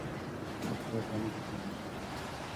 এটা সাজাতে অনেক সময় লেগেছে।